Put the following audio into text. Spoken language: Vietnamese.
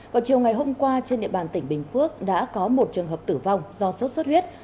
vào chiều ngày hôm qua trên địa bàn tỉnh bình phước đã có một trường hợp tử vong do sốt xuất huyết